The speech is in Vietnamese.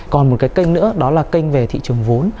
còn một cái kênh nữa đó là kênh về thị trường vốn